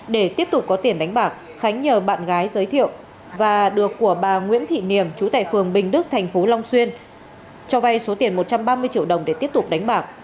để tiếp tục có tiền đánh bạc khánh nhờ bạn gái giới thiệu và được của bà nguyễn thị niềm chú tại phường bình đức thành phố long xuyên cho vay số tiền một trăm ba mươi triệu đồng để tiếp tục đánh bạc